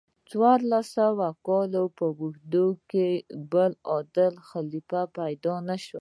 څوارلس سوو کالو په اوږدو کې بل عادل خلیفه پیدا نشو.